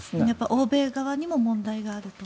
欧米側にも問題があると。